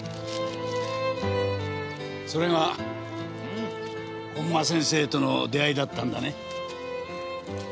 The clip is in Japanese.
それが本間先生との出会いだったんだね。